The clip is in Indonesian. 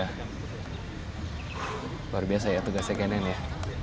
luar biasa ya tugasnya k sembilan ya